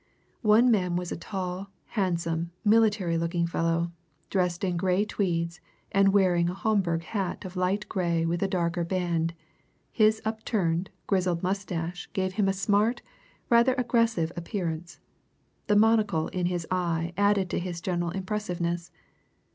One man was a tall, handsome, military looking fellow, dressed in grey tweeds and wearing a Homburg hat of light grey with a darker band; his upturned, grizzled moustache gave him a smart, rather aggressive appearance; the monocle in his eye added to his general impressiveness.